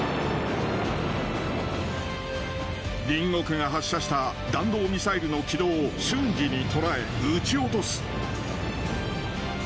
隣国が発射した弾道ミサイルの軌道を瞬時に捉え、撃ち落とす。